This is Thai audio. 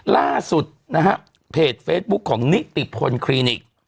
ล่าสุดนะฮะเพจเฟซบุ๊คของนิติพลคลินิก